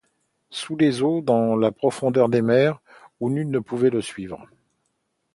Sous les eaux, dans la profondeur des mers, où nul ne pouvait le suivre